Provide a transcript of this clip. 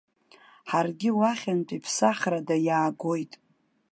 Ҳаргьы уахьынтәи ԥсахрада иаагоит.